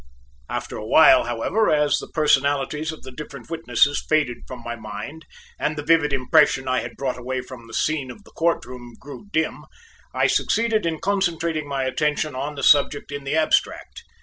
After a while, however, as the personalities of the different witnesses faded from my mind and the vivid impression I had brought away from the scene of the court room grew dim, I succeeded in concentrating my attention on the subject in the abstract.